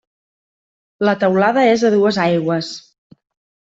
La teulada és a dues aigües.